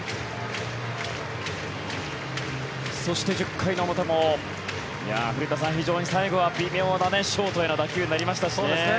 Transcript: そして、１０回の表も古田さん、最後は微妙なショートへの打球になりました。